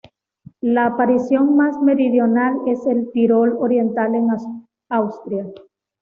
La aparición más meridional es el Tirol oriental en Austria.